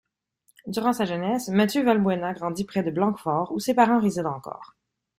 Durant sa jeunesse, Mathieu Valbuena grandit près de Blanquefort où ses parents résident encore.